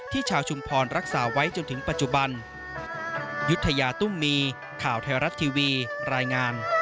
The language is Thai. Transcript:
ชาวชุมพรรักษาไว้จนถึงปัจจุบัน